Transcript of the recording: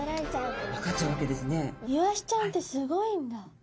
イワシちゃんってすごいんだ。